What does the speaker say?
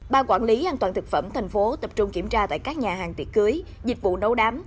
ban quản lý an toàn thực phẩm thành phố tập trung kiểm tra tại các nhà hàng tiệc cưới dịch vụ nấu đám